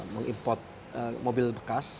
mengimport mobil bekas